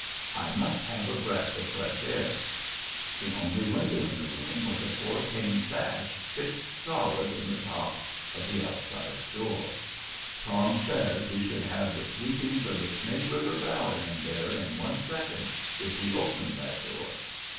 I must have a breath of fresh air." The only window in the room was a four pane sash fixed solid in the top of the outside door. Tom said we should have the sweepings of the Snake River valley in there in one second if we opened that door.